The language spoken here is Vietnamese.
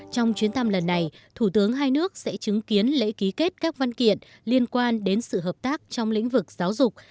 trong chuyến thăm lần này thủ tướng hai nước sẽ chứng kiến lễ ký kết các văn kiện liên quan đến sự hợp tác trong lĩnh vực giáo dục